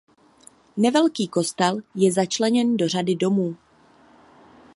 Nevelký kostel je začleněn do řady domů.